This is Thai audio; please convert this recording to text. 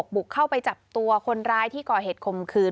บุกเข้าไปจับตัวคนร้ายที่ก่อเหตุคมคืน